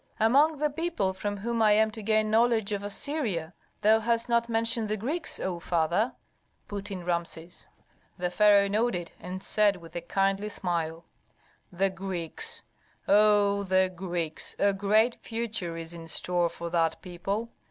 "Among the people from whom I am to gain knowledge of Assyria, thou hast not mentioned the Greeks, O father," put in Rameses. The pharaoh nodded, and said with a kindly smile, "The Greeks! oh, the Greeks! A great future is in store for that people.